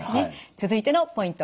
続いてのポイント